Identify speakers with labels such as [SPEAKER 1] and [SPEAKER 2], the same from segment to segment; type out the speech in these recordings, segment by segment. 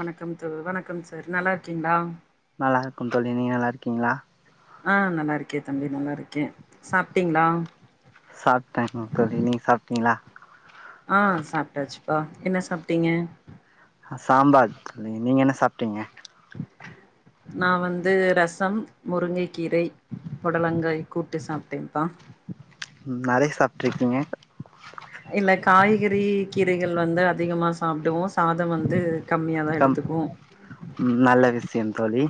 [SPEAKER 1] வணக்கம் தோ வணக்கம் சார் நல்லார்க்கீங்ளா
[SPEAKER 2] நல்லார்க்கோம் தோழி நீங்க நல்லார்க்கீங்ளா
[SPEAKER 1] ஆ நல்லார்க்கே தம்பி நல்லார்க்கே சாப்ட்டீங்ளா
[SPEAKER 2] சாப்ட்டேங்க தோழி நீங்க சாப்ட்டீங்ளா
[SPEAKER 1] ஆ சாப்ட்டாச்சுப்பா என்ன சாப்ட்டீங்க
[SPEAKER 2] அ சாம்பார் இ நீங்க என்ன சாப்ட்டீங்க
[SPEAKER 1] நா வந்து ரசம் முருங்கைக்கீரை புடலங்காய் கூட்டு சாப்ட்டேன்ப்பா
[SPEAKER 2] நெறைய் சாப்ட்ருங்கிங்க
[SPEAKER 1] இல்லே காய்கறி கீரைகள் வந்து அதிகமா சாப்டுவோ சாதம் வந்து கம்மியாதா எடுத்துக்கு
[SPEAKER 2] ம் நல்ல விஸ்யன் தோழி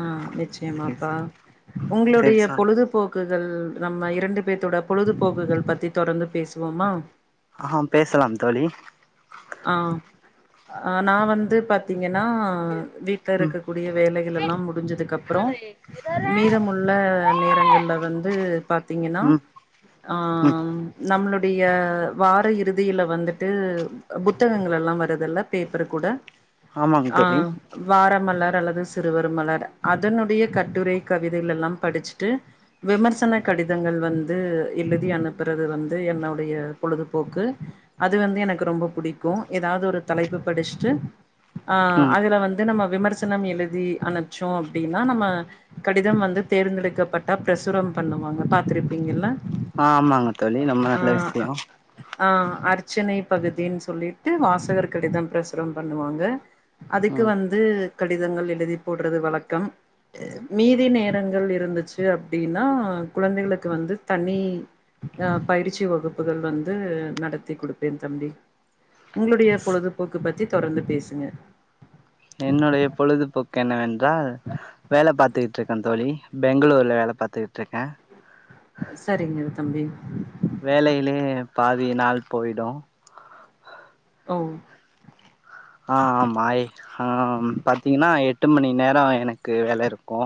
[SPEAKER 1] ஆ
[SPEAKER 2] சரி
[SPEAKER 1] நிச்சயமாப்பா
[SPEAKER 2] சார் சரி
[SPEAKER 1] ஒங்களுடைய
[SPEAKER 2] சொல்
[SPEAKER 1] பொழுது போக்குகள் நம்ம இரண்டு பேர்த்தோட பொழுதுபோக்குகள் பத்தி தொடர்ந்து பேசுவோமா
[SPEAKER 2] ஆ பேசலாம் தோழி
[SPEAKER 1] ஆ நா வந்து பாத்தீங்கன்னா வீட்டுல
[SPEAKER 2] ம்
[SPEAKER 1] இருக்க கூடிய வேலைகள் எல்லா முடிஞ்சதுக்கு அப்றோ மீதமுள் ள நேரங்கள்ல வந்து பாத்தீங்கன்னா
[SPEAKER 2] ம்
[SPEAKER 1] ஆ
[SPEAKER 2] ம்
[SPEAKER 1] நம்மளுடைய வார இறுதியில வந்துட்டு புத்தகங்கள் எல்லா வருதுல்ல பேப்பர் கூட
[SPEAKER 2] ஆமாங்க
[SPEAKER 1] ஆ
[SPEAKER 2] தோழி
[SPEAKER 1] வார மலர் அல்லது சிறுவர் மலர் அதனுடைய கட்டுரை கவிதைகள் எல்லா படிச்சுட்டு விமர்சன கடிதங்கள் வந்து எழுதி அனுப்புறது வந்து என்னுடைய பொழுதுபோக்கு அது வந்து எனக்கு ரொம்ப புடிக்கு ஏதாது ஒரு தலைப்பு படிச்சுட்டு ஆ
[SPEAKER 2] ம்
[SPEAKER 1] அதுல வந்து நம்ம விமர்சனம் எழுதி அனுச்சோ அப்டினா நம்ம கடிதம் வந்து தேர்ந்தெடுக்கப்பட்ட ப்ரசுரம் பண்ணுவாங்க பாத்திருப்பீங்கல்ல
[SPEAKER 2] ஆமாங்க தோழி ரொம்ப
[SPEAKER 1] ஆ
[SPEAKER 2] நல்ல விஷய
[SPEAKER 1] ஆ அர்ச்சனை பகுதின் சொல்லிட்டு வாசகர் கடிதம் ப்ரசுரம் பண்ணுவாங்க அதுக்கு
[SPEAKER 2] ம்
[SPEAKER 1] வந்து கடிதங்கள் எழுதி போடுறது வழக்கம் மீதி நேரங்கள் இருந்துச்சு அப்டின்னா குழந்தைகளுக்கு வந்து தனி அ பயிற்சி வகுப்புகள் வந்து நடத்தி குடுப்பேன் தம்பி உங்களுடைய பொழுதுபோக்கு பத்தி தொடர்ந்து பேசுங்க
[SPEAKER 2] என்னுடைய பொழுதுபோக்கு என்னவென்றால் வேல பாத்துக்கிட்டு இருக்கே தோழி பெங்களூர்ல வேல பாத்துக்கிட்டு இருக்கே
[SPEAKER 1] சரிங்க தம்பி
[SPEAKER 2] வேலையிலயே பாதி நாள் போயிடு
[SPEAKER 1] ஓ
[SPEAKER 2] ஆ ஆமாய் ஆ பாத்தீங்கன்னா எட்டு மணி நேர எனக்கு வேல இருக்கு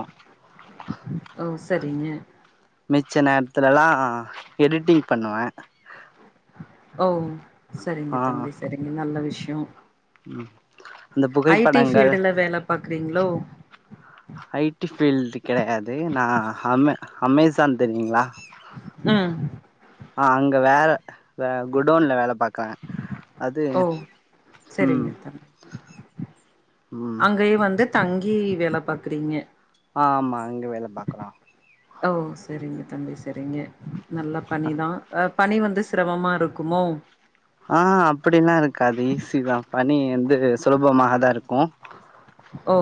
[SPEAKER 1] ஓ சரிங்க
[SPEAKER 2] மிச்ச நேரத்துலலா எடிட்டிங் பண்ணுவே
[SPEAKER 1] ஓ சரிங்க
[SPEAKER 2] ஆ
[SPEAKER 1] தம்பி சரிங்க நல்ல விஷ்யோ
[SPEAKER 2] ம் இந்த புகைப்படங்கள்
[SPEAKER 1] பாக்றீங்களோ
[SPEAKER 2] ஐ டி ஃபீல்டு கெடையாது நா அமே அமேசான் தெரியுங்களா
[SPEAKER 1] ம்
[SPEAKER 2] ஆ அங்க வேல வே குடோன்ல் வேல பாக்குர அது
[SPEAKER 1] ஓ
[SPEAKER 2] ம்
[SPEAKER 1] சரிங்க தம்பி
[SPEAKER 2] ம்
[SPEAKER 1] அங்கயே வந்து தங்கி வேல பாக்குறீங்க
[SPEAKER 2] ஆமா அங்க வேல பாக்குறோ
[SPEAKER 1] ஓ சரிங்க தம்பி சரிங்க நல்ல பணிதா அ பணி வந்து சிரமமா இருக்குமோ
[SPEAKER 2] ஆ அப்டிலா இருக்காது ஈஸி தா பணி வந்து சுலபமாக தா இருக்கு
[SPEAKER 1] ஓ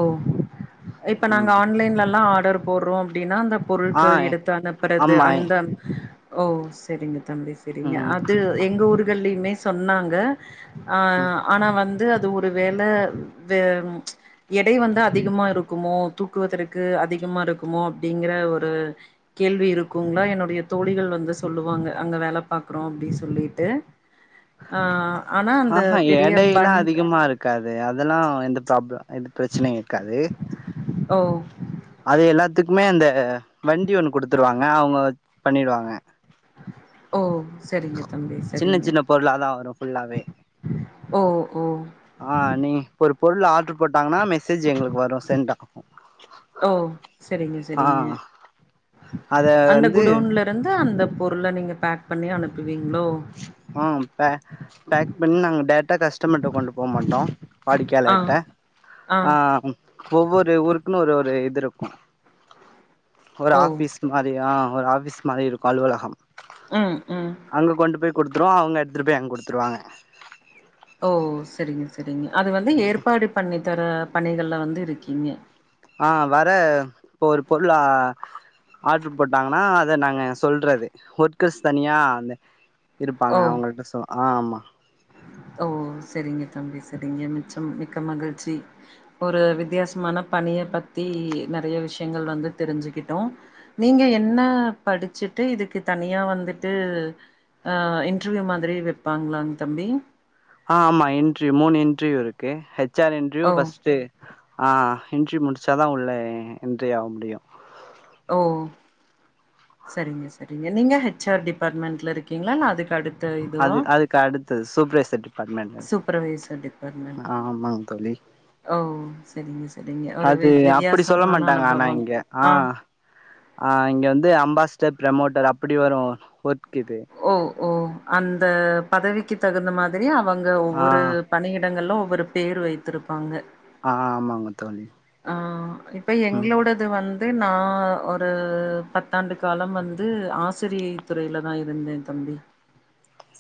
[SPEAKER 1] இப்ப நாங்க
[SPEAKER 2] ம்
[SPEAKER 1] ஆன்லைன்லல்லா ஆர்டர் போடுறோ அப்டின்னா அந்த
[SPEAKER 2] ஆ
[SPEAKER 1] பொருட்கள் எடுத்து அனுப்புறது
[SPEAKER 2] ஆமா
[SPEAKER 1] அந்த ஓ செரிங்க தம்பி செரிங்க
[SPEAKER 2] ம்
[SPEAKER 1] அது எங்க ஊர்கள்லயுமே சொன்னாங்க அ
[SPEAKER 2] ம்
[SPEAKER 1] ஆனா வந்து அது ஒரு வேல வே எடை வந்து அதிகமா இருக்குமோ தூக்குவதற்கு அதிகமா இருக்குமோ அப்டிங்கிற ஒரு கேள்வி இருக்குங்களா என்னுடைய தோழிகள் வந்து சொல்லுவாங்க அங்கே வேல பாக்குறோ அப்டி சொல்லிட்டு ஆ ஆனா அந்த
[SPEAKER 2] ஆஹ்ஹா
[SPEAKER 1] பெரிய
[SPEAKER 2] எடைய எல்லா
[SPEAKER 1] பண்ட்
[SPEAKER 2] அதிகமா இருக்காது அதெல்லாம எந்த ப்ராபல எந்த பெரச்சனையு இருக்காது
[SPEAKER 1] ஓ
[SPEAKER 2] அது எல்லாத்துக்குமே அந்த வண்டி ஒன்னு குடுத்துருவாங்க அவுங்க பண்ணிடுவாங்க
[SPEAKER 1] ஓ செரிங்க தம்பி
[SPEAKER 2] சின்ன
[SPEAKER 1] செரிங்க
[SPEAKER 2] சின்ன பொருளா தா வரு ஃபுல்லாவே
[SPEAKER 1] ஓ ஓ
[SPEAKER 2] ஆ நீ இப்ப ஒரு பொருள் ஆர்டரு போட்டாங்கனா மெசேஜ் எங்களுக்கு வரு செண்ட் ஆகு
[SPEAKER 1] ஓ செரிங்க
[SPEAKER 2] ஆ
[SPEAKER 1] செரிங்க
[SPEAKER 2] அத
[SPEAKER 1] அந்த
[SPEAKER 2] வந்து
[SPEAKER 1] குடோன்ல வந்து அந்த பொருள நீங்க பேக் பண்ணி அனுப்புவீங்ளோ
[SPEAKER 2] ஆ பே பேக் பண்ணி நாங்க டேர்டா கஸ்டமர்ட்ட கொண்டு போ மாட்டோ
[SPEAKER 1] ஆ
[SPEAKER 2] வாடிக்கையாளர்ட்ட
[SPEAKER 1] ஆ
[SPEAKER 2] ஒவ்வொரு ஊருக்குன்னு ஒரு ஒரு இது இருக்கு ஒரு
[SPEAKER 1] ஓ
[SPEAKER 2] ஆஃபிஸ் மாதிரி ஆ ஒரு ஆஃபிஸ் மாதிரி இருக்கு அலுவலகம்
[SPEAKER 1] ம் ம்
[SPEAKER 2] அங்க கொண்டு போய் குடுத்துருவோ அவுங்க எடுத்துட்டு போய் அங் குடுத்துருவாங்க
[SPEAKER 1] ஓ செரிங்க செரிங்க அது வந்து ஏற்பாடு பண்ணி தர பணிகள்ல வந்து இருக்கீங்க
[SPEAKER 2] ஆ வர இப்ப ஒரு பொருளா ஆர்டர் போட்டாங்கன்னா அத நாங்க சொல்றது ஒர்க்கர்ஸ் தனியா அந்த இருப்பாங்க
[SPEAKER 1] ஓ
[SPEAKER 2] அவுங்கள்ட்ட சொ ஆ ஆமா
[SPEAKER 1] ஓ செரிங்க தம்பி செரிங்க மிச்ச மிக்க மகிழ்ச்சி ஒரு வித்தியாசமான பணிய பத்தி நறைய விஷயங்கள் வந்து தெரிஞ்சுக்கிட்டோ நீங்க என்ன படிச்சுட்டு இதுக்கு தனியா வந்துட்டு ஆ இன்டர்வியூ மாதிரி வெப்பாங்களாங்க தம்பி
[SPEAKER 2] ஆ ஆமா இன்டர்வியூ மூணு இன்ட்ர்வியூ இருக்கு ஹச் ஆர் இன்டர்வியூ
[SPEAKER 1] ஓ
[SPEAKER 2] ஃபஸ்ட்டு ஆ இன்டர்வியூ முடிச்சாதா உள்ளே என்றி ஆக முடியு
[SPEAKER 1] ஓ செரிங்க செரிங்க நீங்க ஹச் ஆர் டிபார்ட்மெண்ட்ல இருக்கீங்ளா இல்ல அதுக்கு அடுத்
[SPEAKER 2] அது அதுக்கு அடுத்தது சூப்பர்வைசர் டிபார்ட்மெண்ட் இருக்கு
[SPEAKER 1] சூப்பர்வைசர் டிபார்ட்மெண்ட்
[SPEAKER 2] ஆமாங் தோழி
[SPEAKER 1] ஓ செரிங்க செரிங்க ஒரு வி
[SPEAKER 2] அது அப்படி சொல்ல
[SPEAKER 1] வித்தியாசமான
[SPEAKER 2] மாட்டாங்க ஆனா
[SPEAKER 1] அனுபவம்
[SPEAKER 2] இங்க
[SPEAKER 1] ஆ
[SPEAKER 2] ஆ இங்க வந்து அம்பாஸ்டர் ப்ரமோட்டர் அப்டி வரு ஒர்க் இது
[SPEAKER 1] ஓ ஓ அந்த பதவிக்கு தகுந்த மாதிரி அவங்க
[SPEAKER 2] ஆ
[SPEAKER 1] ஒவ்வொரு பணியிடங்கள்ல ஒவ்வொரு பேரு வைத்திருப்பாங்க
[SPEAKER 2] ஆ ஆமாங்க தோழி ம்
[SPEAKER 1] இது வந்து நா ஒரு பத்தாண்டு காலம் வந்து ஆசிரியை துறையில தா இரு ந்த தம்பி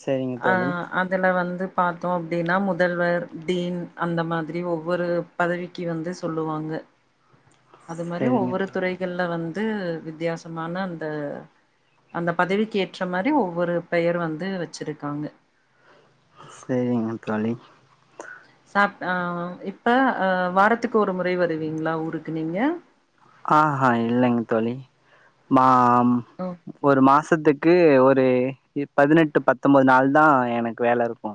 [SPEAKER 2] செரிங்க
[SPEAKER 1] ஆ
[SPEAKER 2] தோழி
[SPEAKER 1] அதுல வந்து பார்த்தோ அப்டின்னா முதல்வர் டீன் அந்த மாதிரி ஒவ்வொரு பதவிக்கி வந்து சொல்லுவாங்க அது மாரி
[SPEAKER 2] செரிங்க
[SPEAKER 1] ஒவ்வொரு
[SPEAKER 2] தோ
[SPEAKER 1] துறை கள்ல வந்து வித்தியாசமான அந்த அந்த பதவிக்கேற் ற மாரி ஒவ்வொரு பெயர் வந்து வச்சிருக்காங்க
[SPEAKER 2] சேரிங்க தோழி
[SPEAKER 1] சாப் ஆ இப்ப வாரத்துக்கு ஒரு முறை வருவீங்ளா ஊருக்கு நீங்க
[SPEAKER 2] ஆஹா இல்லைங்க தோழி மா
[SPEAKER 1] ஓ
[SPEAKER 2] ஒரு மாசத்துக்கு ஒரு பதினெட்டு பத்தொன்பது நாள் தா எனக்கு வேல இருக்கு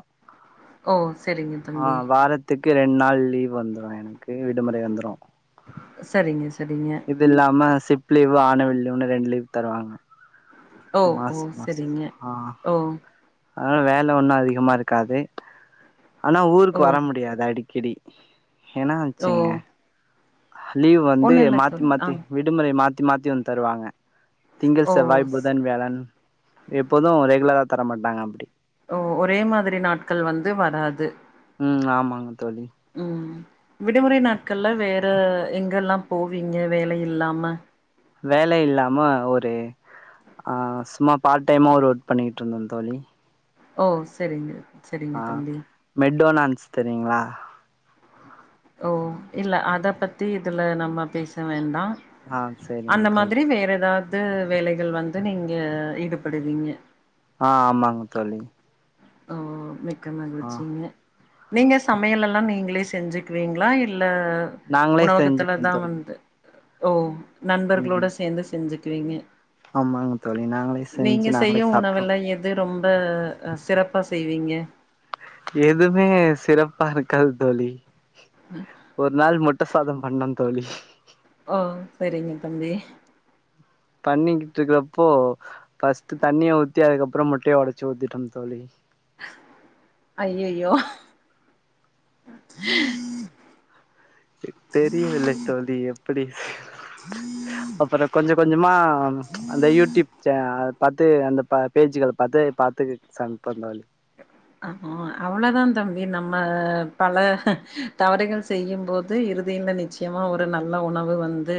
[SPEAKER 1] ஓ செரிங்க
[SPEAKER 2] ஆ வாரத்துக்கு ரெண்ட் நாள் லீவ் வந்துரு எனக்கு விடுமுறை வந்துரு
[SPEAKER 1] செரிங்க செரிங்க
[SPEAKER 2] இது இல்லாம சிப்ட் லீவு ஆனுவல் லீவுன்னு ரெண்டு லீவ் தருவாங்க
[SPEAKER 1] ஓ
[SPEAKER 2] மாச
[SPEAKER 1] ஓ
[SPEAKER 2] மாச
[SPEAKER 1] சரிங்க
[SPEAKER 2] ஆ
[SPEAKER 1] ஓ
[SPEAKER 2] அதனால வேல ஒன்னு அதிகமா இருக்காது ஆனா ஊருக்கு
[SPEAKER 1] ஓ
[SPEAKER 2] வர முடியாது அடிக்கடி
[SPEAKER 1] ஓ
[SPEAKER 2] என்னாச்சுங்க லீவ் வந்து
[SPEAKER 1] ஒண்ணு இல்ல
[SPEAKER 2] மாத்தி
[SPEAKER 1] தோழி ஆ
[SPEAKER 2] மாத்தி விடுமுறை மாத்தி மாத்தி வந்து தருவாங்க திங்கள்
[SPEAKER 1] ஓ
[SPEAKER 2] செவ்வாய்
[SPEAKER 1] ஸ்
[SPEAKER 2] புதன் வியாழன் எப்போது ரெகுலரா தரமாட்டாங்க அப்டி
[SPEAKER 1] ஓ ஒரே மாதிரி நாட்கள் வந்து வராது
[SPEAKER 2] ம் ஆமாங்க தோழி
[SPEAKER 1] ம் விடுமுறை நாட்கள்ல வேற எங்கெல்லா போவீங்க வேலை இல்லாம
[SPEAKER 2] வேலை இல்லாம ஒரு ஆ சும்மா பார்ட் டைம்மா ஒரு ஒர்க் பண்ணிக்கிட்ருந்தே தோழி
[SPEAKER 1] ஓ செரிங்க செரிங்க
[SPEAKER 2] ஆ
[SPEAKER 1] தம்பி
[SPEAKER 2] மெட்டொனான்ஸ் தெரியுங்ளா
[SPEAKER 1] ஓ இல்ல அத பத்தி இதுல நம்ம பேச வேண்டா
[SPEAKER 2] ஆ சரிங்க
[SPEAKER 1] அந்த
[SPEAKER 2] தோழி
[SPEAKER 1] மாதிரி வேற எதாவ்து வேலைகள் வந்து நீங்க ஈடுபடுவீங்க
[SPEAKER 2] ஆ ஆமாங்க தோழி
[SPEAKER 1] ஓ மெக்டொனால்
[SPEAKER 2] ஆ
[SPEAKER 1] வச்சிங்க நீங்க சமையலெல்லா நீங்களே செஞ்சுக்வீங்ளா இல்ல
[SPEAKER 2] நாங்களே செஞ்சுப்போ
[SPEAKER 1] உணவகத்துலதா
[SPEAKER 2] தோழி
[SPEAKER 1] வந்து ஓ நண்பர்களோட
[SPEAKER 2] ம்
[SPEAKER 1] சேந்து செஞ்சுக்குவீங்க
[SPEAKER 2] ஆமாங்க தோழி நாங்களே
[SPEAKER 1] நீங்க
[SPEAKER 2] செஞ்சு நாங்களே
[SPEAKER 1] செய்யு
[SPEAKER 2] சாப்ட்ருவோ
[SPEAKER 1] உணவுல எது ரொம்ப அ சிறப்பா செய்வீங்க
[SPEAKER 2] எதுமே சிறப்பா இருக்காது தோழி
[SPEAKER 1] ம்
[SPEAKER 2] ஒரு நாள் முட்ட சாதம் பண்ணம் தோழி
[SPEAKER 1] ஓ செரிங்க தம்பி
[SPEAKER 2] பண்ணிக்கிட்டு இருக்குறப்போ ஃபஸ்ட்டு தண்ணிய ஊத்தி அதுக்கப்பற முட்டய ஒடைச்சு ஊத்திட்டம் தோழி
[SPEAKER 1] ஐயையோ
[SPEAKER 2] எ தெரியவில்ல தோழி எப்பிடி அப்பற கொஞ்ச கொஞ்சமா அந்த யூடியூப் சேனல் பாத்து அந்த ப பேஜூகள பாத்து பாத்து சமைப்போ தோழி
[SPEAKER 1] ஆமா அவளதா தம்பி நம்ம பல தவறுகள் செய்யும்போது இறுதியில நிச்ச சயமா ஒரு நல்ல உணவு வந்து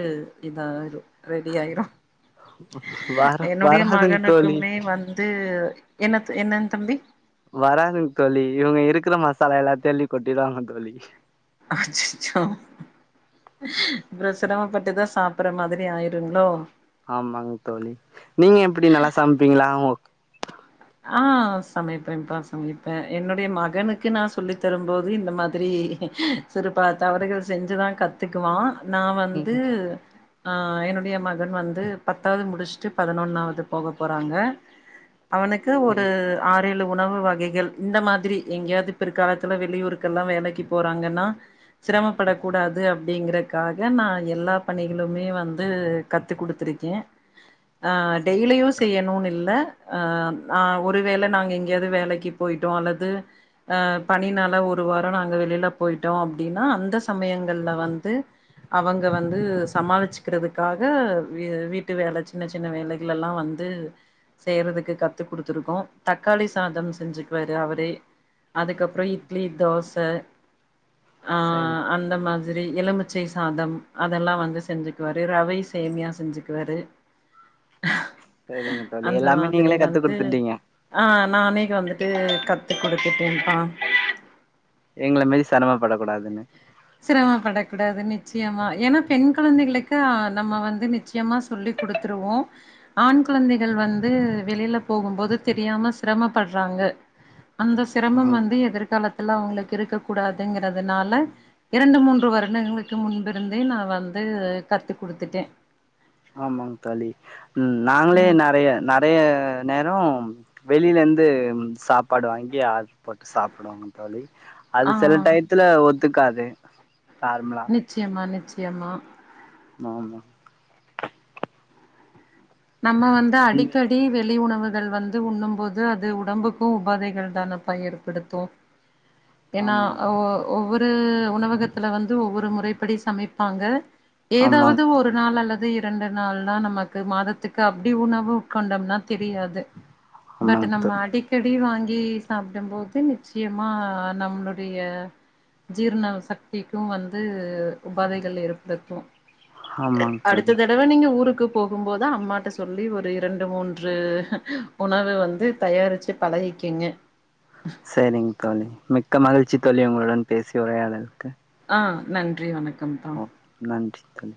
[SPEAKER 1] இது ஆயிரு ரெடி ஆயிரு
[SPEAKER 2] வர
[SPEAKER 1] என்னுடைய
[SPEAKER 2] வராதுங் தோழி
[SPEAKER 1] மகனுக்குமே வந்து என்னத் என்னங் தம்பி
[SPEAKER 2] வராதுங் தோழி இவுங்க இருக்குற மசாலா எல்லத்தையு அள்ளி கொட்டிருவாங்க தோழி
[SPEAKER 1] அச்சச்சோ அப்ற சிரமப்பட்டு தா சாப்புட்ற மாதிரி ஆயிர் ருங்ளோ
[SPEAKER 2] ஆமாங்க தோழி நீங்க எப்டி நல்லா சமைப்பீங்ளா உங்க
[SPEAKER 1] ஆ சமைப்பேப்பா சமைப்பே என்னுடைய மகனுக்கு நா சொல்லி தரும்போது இந்த மாதிரி சிறு பல தவறுகள் செஞ்சுதா கத்துக்குவா நா வந்து
[SPEAKER 2] ம்
[SPEAKER 1] ஆ என்னுடைய மகன் வந்து பத்தாவ்து முடிச்ட்டு பதினொன்னாவ்து போக போறாங்க அவனுக்கு ஒரு ஆறேழு உணவு வகைகள் இந்த மாதிரி எங்கெயாவ்து பிற்காலத்துல வெளியூருக்கெல்லா வேலைக்கு போறாங்கனா சிரமப்படக் கூடாது அப் டிங்றக்காக நா எல்லா பணிகளுமே வந்து கத்து குடுத்துருக்கே ஆ
[SPEAKER 2] சரிங்க
[SPEAKER 1] டெய்லியு
[SPEAKER 2] தோழி
[SPEAKER 1] செய்யணுனு இல்ல அ ஆ ஒரு வேல நாங்க எங்கேயாது வேலைக்கு போயிட்டோ அல்லது அ பணினால ஒரு வாரோ நாங்க வெளில போயிட்டோ அப்டின்னா அந்த சமயங்கள்ல வந்து அவங்க வந்து சமாள்ச்சுக்றதுக்காக வீட்டு வேல சின்ன சின் ன வேலைக்லலா வந்து செய்றதுக்கு கத்து குடுத்துருக்கோ தக்காளி சாதம் செஞ்சுக்குவாரு அவரே அதுக்கப்றோ இட்லி தோச ஆ
[SPEAKER 2] சரிங்க
[SPEAKER 1] அந்த மாதி ரி எலுமிச்சை சாதம் அதெல்லா வந்து செஞ்சுக்குவாரு ரவை சேமியா செஞ்சுக்குவாரு
[SPEAKER 2] சேரிங்க தோழி
[SPEAKER 1] அந்த
[SPEAKER 2] எல்லாமே
[SPEAKER 1] மாதிரி
[SPEAKER 2] நீங்ளே கத்து
[SPEAKER 1] வந்து
[SPEAKER 2] குடுத்துட்டீங்க
[SPEAKER 1] ஆ நானே வந்துட்டு கத்து குடுத்துட்டே பா
[SPEAKER 2] எங்ள மாரி செரமப்படக் கூடாதுனு
[SPEAKER 1] சிரமப்படக் கூடாது நிச்சயமா ஏன்னா பெண் குழந்தைகளுக்கு நம்ம வந்து நிச் சயமா சொல்லி குடுத்துருவோ ஆண் குழந்தைகள் வந்து வெளில போகுபோது தெரியாம சிரமப்பட்றாங்க அந்த சிரமம்
[SPEAKER 2] ஆமாங்
[SPEAKER 1] வந்து எதிர்காலத்துல அவுங்ளுக்கு இருக்க கூடாதுங்றதுனால இரண்டு மூன்று வருடங்களுக்கு முன்பிருந்தே நா வந்து கத்து குடுத்துட்டே
[SPEAKER 2] ஆமாங் தோழி ம் நாங்ளே
[SPEAKER 1] ம்
[SPEAKER 2] நறைய நறைய நேரோம் வெளிலேந்து ம் சாப்பாடு வாங்கி ஆர்ட்ரு போட்டு சாப்டுவோங் தோழி
[SPEAKER 1] ஆ
[SPEAKER 2] அது செல டயத்துல ஒத்துக்காது காரம்லா
[SPEAKER 1] நிச்சயமா நிச்சயமா
[SPEAKER 2] நோ நோ
[SPEAKER 1] நம்ம வந்து
[SPEAKER 2] அந்த
[SPEAKER 1] அடிக்க டி வெளி உணவுகள் வந்து உண்ணுபோது அது உடம்புக்கு உபாதைகள் தானப்பா ஏற்படுத்து ஏனா
[SPEAKER 2] ஆமாங்
[SPEAKER 1] அ ஒ ஒவ்வொரு உணவகத்துல வந்து ஒவ்வொரு முறைப்படி சமைப்பாங்கள்
[SPEAKER 2] ஆமாங்
[SPEAKER 1] ஏதாவது ஒரு
[SPEAKER 2] தோழி
[SPEAKER 1] நாள் அல்லது இரண்டு நாள்னா நமக்கு மாதத்துக் க அப்டி உணவு உட்கொண்டோம்னா தெரியாது பட்
[SPEAKER 2] ஆமாங்
[SPEAKER 1] நம்ம
[SPEAKER 2] தோழி
[SPEAKER 1] அடிக் கடி வாங்கி சாப்டபோது நிச்சயமா நம்ளுடைய ஜீர்ணவ் சக்திக்கு வந்து உபாதைகள் ஏற்படுத்து
[SPEAKER 2] ஆமாங் தோழி
[SPEAKER 1] அடுத்த தடவ நீங்க ஊருக்கு போகுபோது அம்மா ட்ட சொல்லி ஒரு இரண்டு மூன்று உணவு வந்து தயாரிச்சு பழகிக்குங்க
[SPEAKER 2] சரிங் தோழி மிக்க மகிழ்ச்சி தோழி உங்களுடன் பேசி உரையாடலுக்கு
[SPEAKER 1] ஆ நன்றி வணக்கம் ப தா
[SPEAKER 2] ஓ நன்றி தோழி